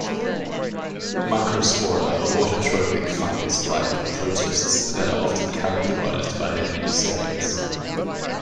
Microspora are autotrophic fungus-like protists that are often characterized by their many segments.